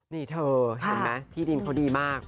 นี่เธอเห็นไหมที่ดินเขาดีมาก